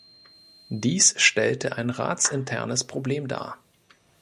Dies stellte ein ratsinternes Problem dar.